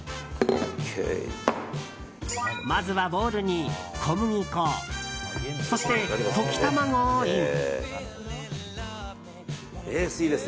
まずはボウルに小麦粉そして、溶き卵をイン。